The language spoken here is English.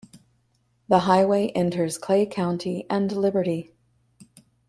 The highway enters Clay County and Liberty.